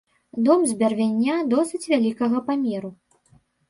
Дом з бярвення досыць вялікага памеру.